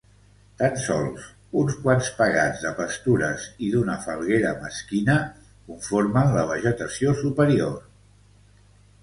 Tan sols uns quants pegats de pastures i d'una falguera mesquina conformen la vegetació superior.